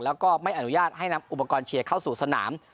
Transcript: แล้วก็ไม่อนุญาตให้นำอุปกรณ์เชียร์เข้าสู่สนาม